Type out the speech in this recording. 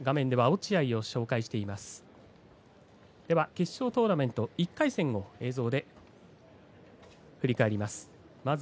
決勝トーナメント１回戦を映像で振り返ります。